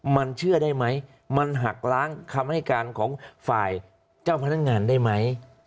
มันเชื่อได้ไหมมันหักล้างคำให้การของฝ่ายเจ้าพนักงานได้ไหม